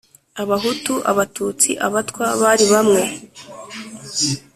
abahutu, abatutsi, abatwa, bari bamwe